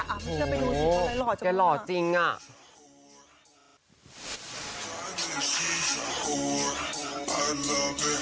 อ้าวไม่เชื่อไม่รู้สิว่าอะไรหล่อจังมากค่ะเขียนหล่อจริงอ่ะ